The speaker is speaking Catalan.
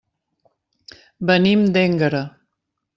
Venim d'Énguera.